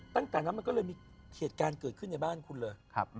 ตั้งแต่นั้นมันก็เลยมีเหตุการณ์เกิดขึ้นในบ้านคุณเลย